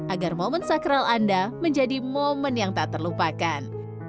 agar momen sakral anda menjadi momen yang tak terlupakan